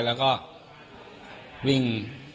แล้วก็วิ่ง